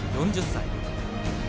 ４０歳。